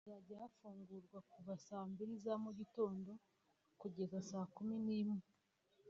Hazajya hafungurwa kuva saa mbili za mu gitondo kugeza saa kumi n’imwe